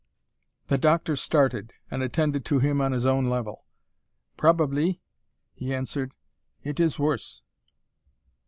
The doctor started, and attended to him on his own level. "Probably," he answered. "It is worse."